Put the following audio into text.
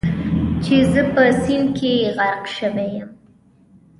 چې زه په سیند کې غرق شوی یم.